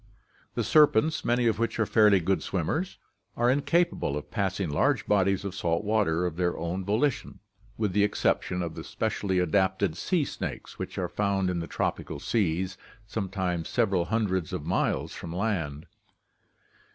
The serpents, many of which are fairly good swimmers, are in capable of passing large bodies of salt water of their own volition, with the exception of the specially adapted sea snakes, which are found in the tropical seas, sometimes several hundreds of miles from land.